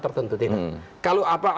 itu kelompok masyarakat tertentu